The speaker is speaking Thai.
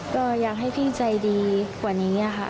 ก็อยากให้พี่ใจดีกว่านี้ค่ะ